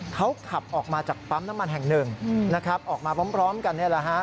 เขาขับออกมาจากปั๊มน้ำมันแห่งหนึ่งออกมาพร้อมกันแล้ว